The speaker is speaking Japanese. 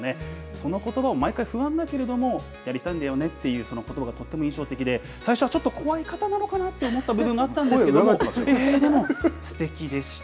そのことばを毎回、不安だけれども、やりたいんだよねっていうことばがとても印象的で、最初はちょっと怖い方なのかなと思った部分もあったんですけど、でもすてきでした。